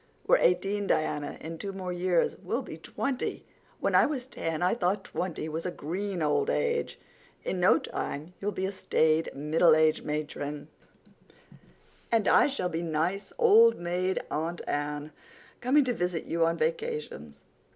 We're eighteen, Diana. In two more years we'll be twenty. When I was ten I thought twenty was a green old age. In no time you'll be a staid, middle aged matron, and I shall be nice, old maid Aunt Anne, coming to visit you on vacations.